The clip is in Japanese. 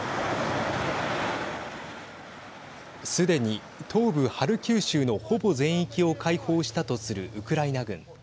すでに、東部ハルキウ州のほぼ全域を解放したとするウクライナ軍。